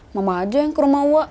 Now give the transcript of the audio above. mama aja yang ke rumah wak